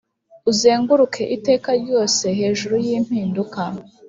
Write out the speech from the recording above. “uzenguruke iteka ryose hejuru y'impinduka.”